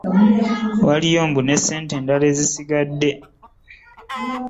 Waliyo mbu ne ssente endala ezisigadde.